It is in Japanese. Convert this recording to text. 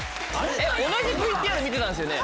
同じＶＴＲ見てたんすよね？